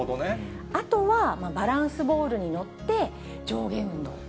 あとはバランスボールに乗って、上下運動。